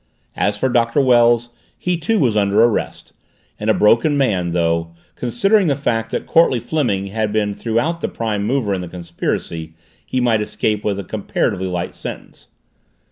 As for Doctor Wells, he too was under arrest, and a broken man, though, considering the fact that Courtleigh Fleming had been throughout the prime mover in the conspiracy, he might escape with a comparatively light sentence.